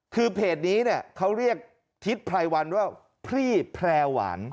คือเพจนี้เนี่ยเขาเรียกทิศไพรวันว่าพี่แพร่หวาน